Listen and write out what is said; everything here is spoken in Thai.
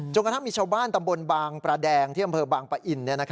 กระทั่งมีชาวบ้านตำบลบางประแดงที่อำเภอบางปะอิน